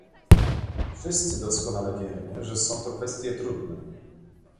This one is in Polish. Wszyscy doskonale wiemy, że są to kwestie trudne